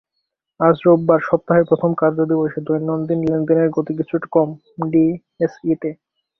আজ রোববার সপ্তাহের প্রথম কার্যদিবসে দৈনন্দিন লেনদেনের গতি কিছুটা কম ডিএসইতে।